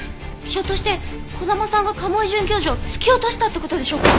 ひょっとして児玉さんが賀茂井准教授を突き落としたって事でしょうか？